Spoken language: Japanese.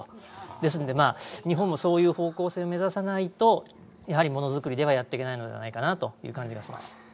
ですので、日本もそういう方向性を目指さないと、ものづくりではやっていけないのではないかなという感じがします。